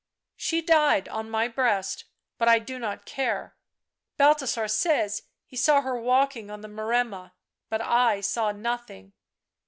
She died on my breast, but I do not care ; Balthasar says he saw her walking on the Maremma, but I saw nothing